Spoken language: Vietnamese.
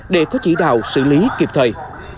để có chỉ đạo xử lý kịp thời